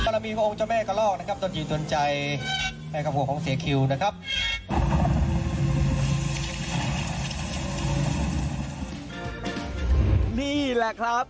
นี่แหละครับ